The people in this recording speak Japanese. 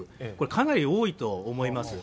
かなり多いと思います。